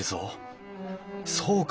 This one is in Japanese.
そうか！